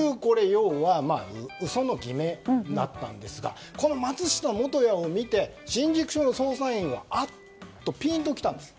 要は、嘘の偽名だったんですがこの松下素也を見て新宿署の捜査員があ！とピンと来たんです。